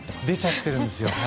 出ちゃってるんです。